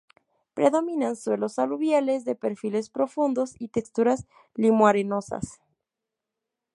Predominan suelos aluviales de perfiles profundos y texturas limo-arenosas.